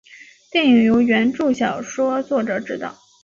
电影由原着小说作者执导。